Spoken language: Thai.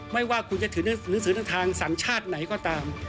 ไม่ว่าคุณจะถือหนังสือในทางสัญชาติไหนก็ตาม